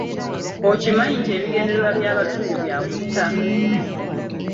Okimanyi nti ebigendererwa by'abatujju bya kutta.